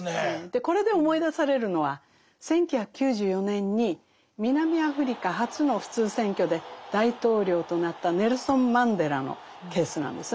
これで思い出されるのは１９９４年に南アフリカ初の普通選挙で大統領となったネルソン・マンデラのケースなんですね。